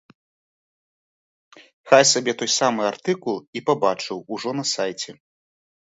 Хай сабе той самы артыкул і пабачыў ужо на сайце.